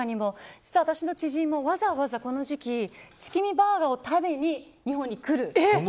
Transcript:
実は私の知人もわざわざこの時期月見バーガーを食べに日本に来る。